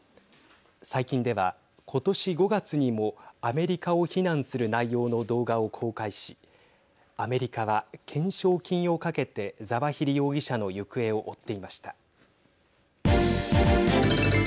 最近では、今年５月にもアメリカを非難する内容の動画を公開しアメリカは、懸賞金をかけてザワヒリ容疑者の行方を追っていました。